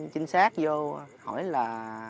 chính xác vô hỏi là